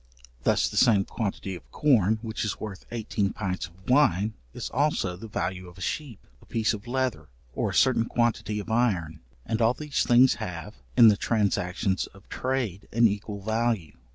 Thus the same quantity of corn which is worth eighteen pints of wine, is also the value of a sheep, a piece of leather, or a certain quantity of iron; and all these things have, in the transactions of trade an equal value.